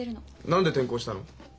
何で転向したの？